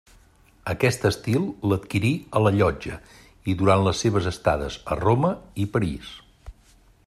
Aquest estil l'adquirí a la Llotja i durant les seves estades a Roma i París.